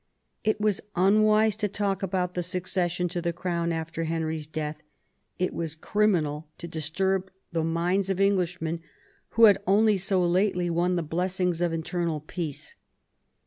It was unwise to talk about the succession to the Crown after Henry's death ; it was criminal to disturb the minds of Englishmen who had only so lately won the blessings of internal peace.